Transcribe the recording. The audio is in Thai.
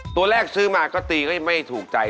ตัวแรกซื้อมาก็ตีก็ไม่ถูกใจ